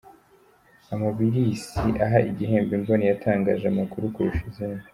Amabilisi aha igihembo imboni yatangaje amakuru kurusha izindi.